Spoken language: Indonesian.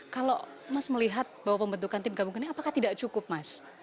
kalau mas melihat bahwa pembentukan tim gabungan ini apakah tidak cukup mas